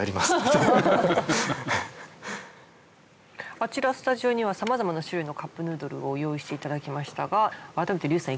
あちらスタジオにはさまざまな種類のカップヌードルを用意していただきましたが改めて龍さん